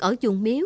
ở dùng mía